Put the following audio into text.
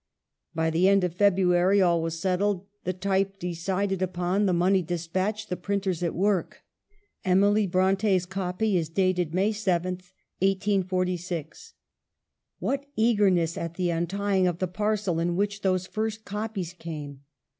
By the end of February all was settled, the type decided upon, the money de spatched, the printers at work. Emily Bronte's copy is dated May 7th, 1846. What eagerness at the untying of the parcel in which those first copies came